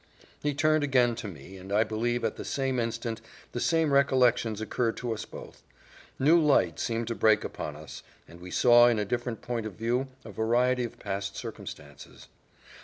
He turned again to me, and I believe at the same instant the same recollections occurred to us both new light seemed to break upon us, and we saw in a different point of view a variety of past circumstances.